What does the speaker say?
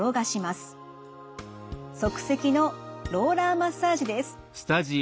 即席のローラーマッサージです。